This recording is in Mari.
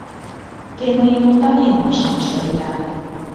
Те мыйым ондален пашам ыштынеда.